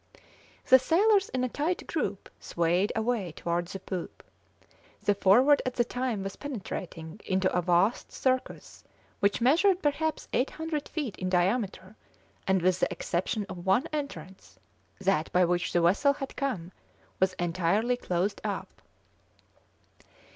The sailors in a tight group swayed away towards the poop. The Forward at the time was penetrating into a vast circus, which measured perhaps 800 feet in diameter, and with the exception of one entrance that by which the vessel had come was entirely closed up.